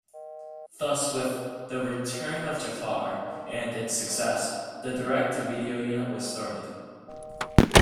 Thus with "The Return of Jafar" and its success, the direct-to-video unit was started.